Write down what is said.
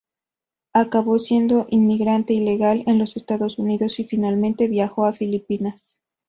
Acabó siendo inmigrante ilegal en los Estados Unidos, y finalmente viajó a Filipinas.